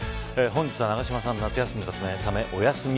本日は永島さん夏休みのためお休み。